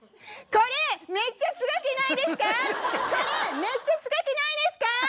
これめっちゃすごくないですか？